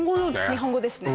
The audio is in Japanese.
日本語ですね